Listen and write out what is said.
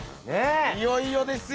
いよいよですよ。